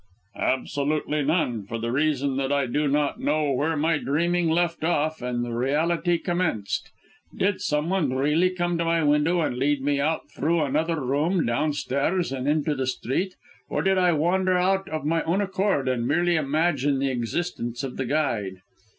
"Absolutely none, for the reason that I do not know where my dreaming left off, and reality commenced. Did someone really come to my window, and lead me out through another room, downstairs, and into the street, or did I wander out of my own accord and merely imagine the existence of the guide?